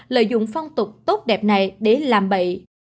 lợi dụng phong tục tốt đẹp này để làm bậy